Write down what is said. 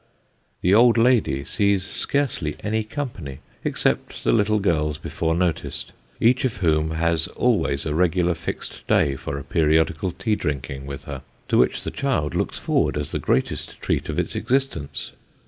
The old lady sees scarcely any company, except the little girls before noticed, each of whom has always a regular fixed day for a periodical tea drinking with her, to which the child looks forward as the greatest treat of its existence.